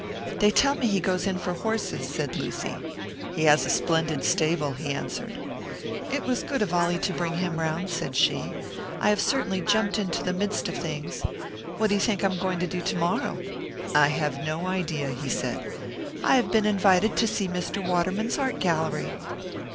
"They tell me he goes in for horses," said Lucy. "He has a splendid stable," he answered. "It was good of Ollie to bring him round," said she. "I have certainly jumped into the midst of things. What do you think I'm going to do to morrow?" "I have no idea," he said. "I have been invited to see Mr. Waterman's art gallery."